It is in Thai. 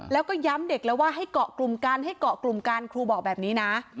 แล้วก็ย้ำเด็กแล้วว่าให้เกาะกลุ่มกันให้เกาะกลุ่มกันครูบอกแบบนี้นะ